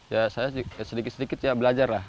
ya saya sedikit sedikit ya belajar lah